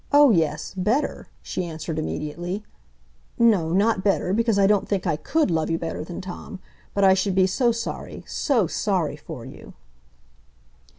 "Oh, yes, better," she answered immediately. "No, not better; because I don't think I could love you better than Tom. But I should be so sorry,—so sorry for you."